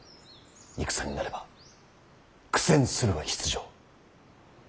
戦になれば苦戦するは必定。